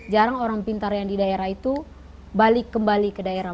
jarang orang pintar yang di daerah itu balik kembali ke daerah